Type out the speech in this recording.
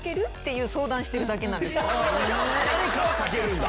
誰かはかけるんだ。